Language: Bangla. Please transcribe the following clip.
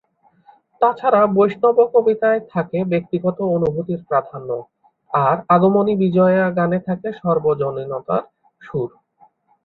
তাছাড়া বৈষ্ণব কবিতায় থাকে ব্যক্তিগত অনুভূতির প্রাধান্য, আর আগমনী-বিজয়া গানে থাকে সর্বজনীনতার সুর।